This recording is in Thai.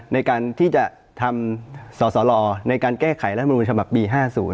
ในการที่จะทำสสลในการแก้ไขรัฐมนุนฉบับปี๕๐